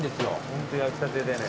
ホント焼きたてでね。